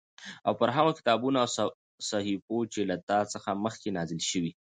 او پر هغو کتابونو او صحيفو چې له تا څخه مخکې نازل شوي